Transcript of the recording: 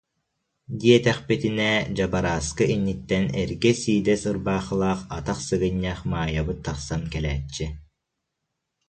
диэтэхпитинэ, дьабарааскы ииниттэн эргэ сиидэс ырбаахылаах атах сыгынньах Маайабыт тахсан кэлээччи